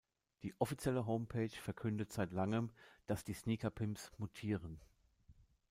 Die offizielle Homepage verkündet seit langem, dass die Sneaker Pimps „mutieren“.